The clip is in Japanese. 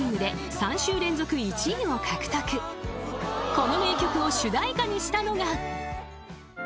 ［この名曲を主題歌にしたのが］